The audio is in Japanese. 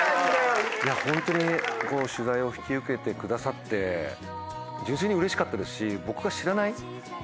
いやホントにこの取材を引き受けてくださって純粋にうれしかったですし。